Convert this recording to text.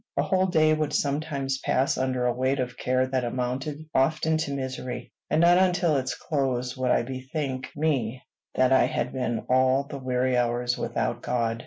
A whole day would sometimes pass under a weight of care that amounted often to misery; and not until its close would I bethink me that I had been all the weary hours without God.